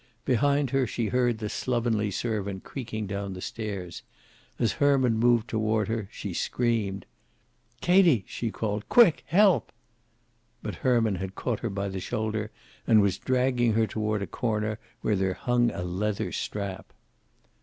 Behind her she heard the slovenly servant creaking down the stairs. As Herman moved toward her she screamed. "Katie!" she called. "Quick. Help!" But Herman had caught her by the shoulder and was dragging her toward a corner, where there hung a leather strap.